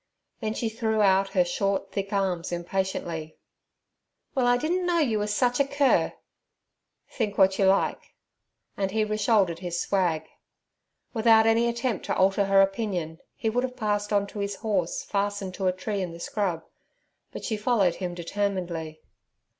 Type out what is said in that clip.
Then she threw out her short, thick arms impatiently. 'Well, I didn't know you was such a cur.' 'Think what you like' and he reshouldered his swag. Without any attempt to alter her opinion, he would have passed on to his horse fastened to a tree in the scrub, but she followed him determinedly.